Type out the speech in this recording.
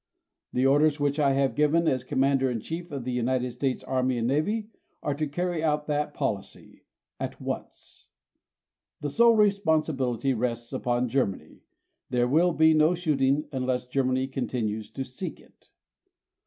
The orders which I have given as Commander in Chief of the United States Army and Navy are to carry out that policy at once. The sole responsibility rests upon Germany. There will be no shooting unless Germany continues to seek it.